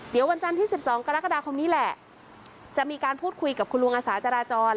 เดี๋ยววันจันทร์ที่๑๒กรกฎาคมนี้แหละจะมีการพูดคุยกับคุณลุงอาสาจราจร